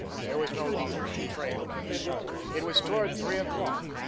There was no longer any trail. It was toward three o'clock.